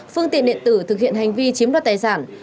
phương tiện điện tử thực hiện hành vi chiếm đoạt tài sản